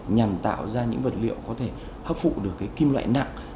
nhằm tạo ra những vật liệu có thể hấp phụ được kim loại nặng